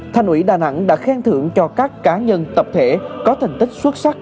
thành ủy đà nẵng đã khen thưởng cho các cá nhân tập thể có thành tích xuất sắc